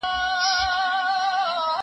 و زړه ته په ارمان پسي ارمان راغلی دی